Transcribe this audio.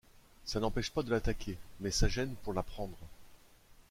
Ça n’empêche pas de l’attaquer, mais ça gêne pour la prendre.